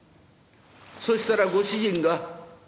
そしたらご主人が。